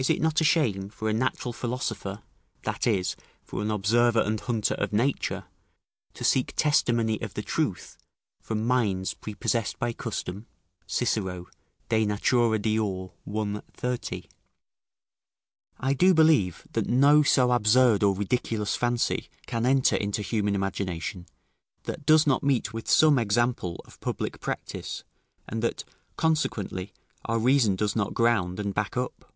["Is it not a shame for a natural philosopher, that is, for an observer and hunter of nature, to seek testimony of the truth from minds prepossessed by custom?" Cicero, De Natura Deor., i. 30.] I do believe, that no so absurd or ridiculous fancy can enter into human imagination, that does not meet with some example of public practice, and that, consequently, our reason does not ground and back up.